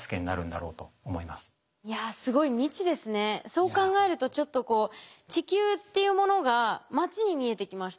そう考えるとちょっとこう地球っていうものが町に見えてきました。